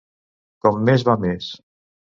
Com més va més.